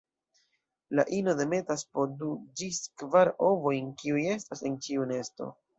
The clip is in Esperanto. La ino demetas po du ĝis kvar ovojn kiuj estas en ĉiu nesto.